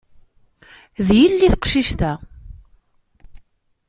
D yelli teqcict-a.